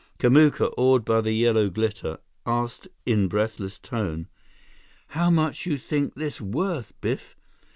Kamuka, awed by the yellow glitter, asked in breathless tone: "How much you think this worth, Biff?